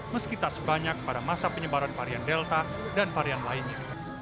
meski tak sebanyak pada masa penyebaran varian delta dan varian lainnya